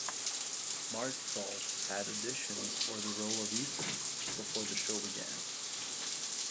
Martsolf had auditioned for the role of Ethan before the show began.